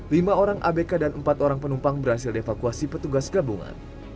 lima orang abk dan empat orang penumpang berhasil dievakuasi petugas gabungan